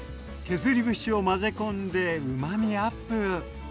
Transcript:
削り節を混ぜ込んでうまみアップ！